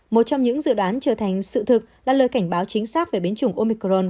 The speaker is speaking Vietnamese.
một trong những dự đoán trở thành sự thực là lời cảnh báo chính xác về biến chủng omicron